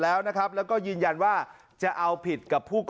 แล้วนะครับแล้วก็ยืนยันว่า